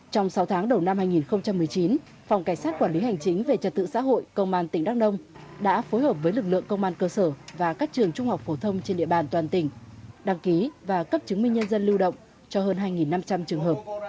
trong sáu tháng đầu năm hai nghìn một mươi chín phòng cảnh sát quản lý hành chính về trật tự xã hội công an tỉnh đắk nông đã phối hợp với lực lượng công an cơ sở và các trường trung học phổ thông trên địa bàn toàn tỉnh đăng ký và cấp chứng minh nhân dân lưu động cho hơn hai năm trăm linh trường hợp